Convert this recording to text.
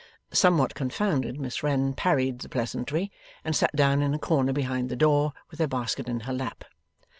Somewhat confounded, Miss Wren parried the pleasantry, and sat down in a corner behind the door, with her basket in her lap.